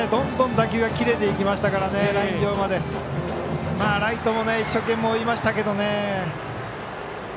どんどん打球が切れていきましたからライン上まで、ライトも一生懸命追いましたけどね。